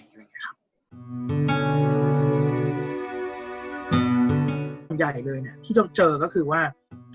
ส่วนใหญ่เลยนะที่เราเจอก็คือว่า